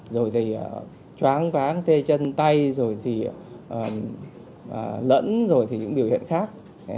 rồi thì choáng váng tê chân tay rồi thì lẫn rồi thì những biểu hiện khác